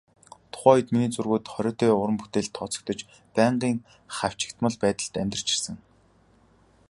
Тухайн үед миний зургууд хориотой уран бүтээлд тооцогдож, байнгын хавчигдмал байдалд амьдарч ирсэн.